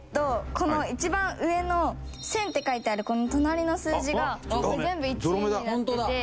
この一番上の「１０００」って書いてあるこの隣の数字が全部「１」になってて。